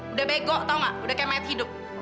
udah bego tau gak udah kayak mayat hidup